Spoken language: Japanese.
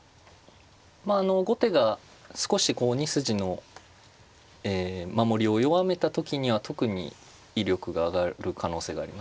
まあ後手が少しこう２筋の守りを弱めた時には特に威力が上がる可能性がありますね。